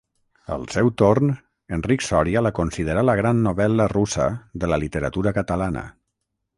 Al seu torn, Enric Sòria la considerà la gran novel·la russa de la literatura catalana.